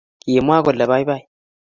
Kimwa kole baibai